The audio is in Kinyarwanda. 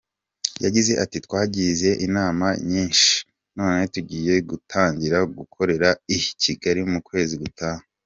Yagize ati “Twagize inama nyinshi none tugiye gutangira gukorera i Kigali mu kwezi gutaha.